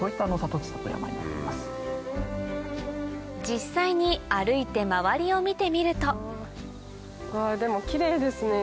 実際に歩いて周りを見てみるとでもキレイですね